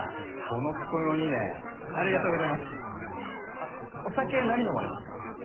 あっお酒何飲まれますか？